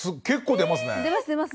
結構出ますね。